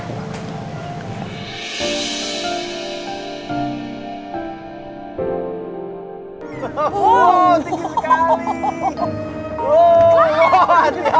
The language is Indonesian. kita tarik radio kamu lagi